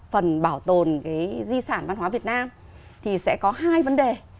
phần bảo tồn cái di sản văn hóa việt nam thì sẽ có hai vấn đề